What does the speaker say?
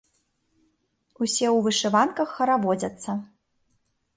Усе ў вышыванках хараводзяцца.